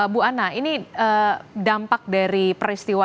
bu ana ini dampak dari peristiwa